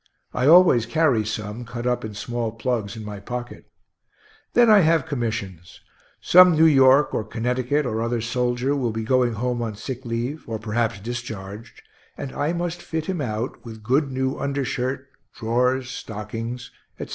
I always carry some, cut up in small plugs, in my pocket. Then I have commissions: some New York or Connecticut, or other soldier, will be going home on sick leave, or perhaps discharged, and I must fit him out with good new undershirt, drawers, stockings, etc.